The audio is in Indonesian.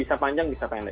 bisa panjang bisa pendek